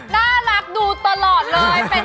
น่ารักดูตลอดเลย